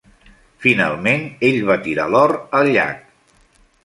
Finalment, ell va tirar l'or al llac.